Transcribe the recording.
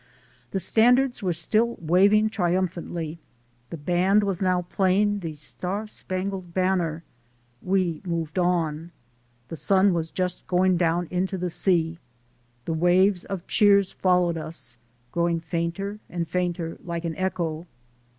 The standards were still waving tri umphantly. The band was now playing "The Star Spangled Banner." We moved on. The sun was just going down into the sea. The waves of cheers followed us, growing fainter and fainter like an echo.